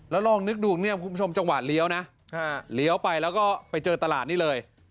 แล้วลองนึกดูเนี่ยคุณผู้ชมจังหวะเลี้ยวนะเลี้ยวไปแล้วก็ไปเจอตลาดนี้เลย